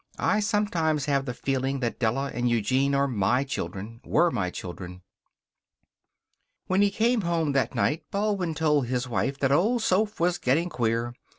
I sometimes have the feeling that Della and Eugene are my children were my children." When he came home that night Baldwin told his wife that old Soph was getting queer.